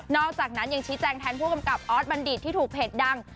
อกจากนั้นยังชี้แจงแทนผู้กำกับออสบัณฑิตที่ถูกเพจดัง